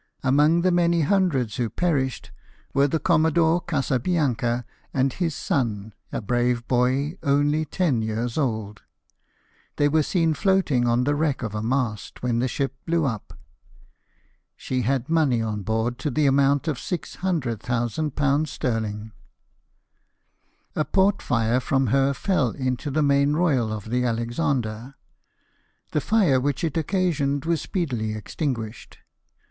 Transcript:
Among the many hundreds who perished were the Commodore Casa Bianca and his son, a brave boy only ten years old^. They were seen floating on the wreck of a mast when the ship blew up. She had money on board to the amount of £600,000 sterling. A port fire from her fell into the main royal of the Alexander ; the fire which it occa sioned was speedily extinguished.